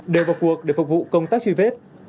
đều vào cuộc để phục vụ công tác truy vết